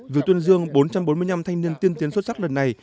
việc tuyên dương bốn trăm bốn mươi năm thanh niên tiên tiến xuất sắc lần này